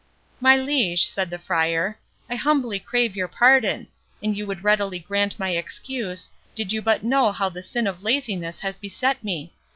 "My Liege," said the Friar, "I humbly crave your pardon; and you would readily grant my excuse, did you but know how the sin of laziness has beset me.